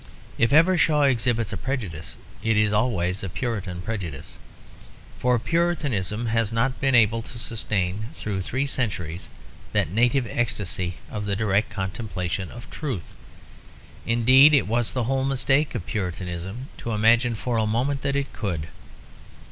If ever Shaw exhibits a prejudice it is always a Puritan prejudice. For Puritanism has not been able to sustain through three centuries that native ecstacy of the direct contemplation of truth; indeed it was the whole mistake of Puritanism to imagine for a moment that it could.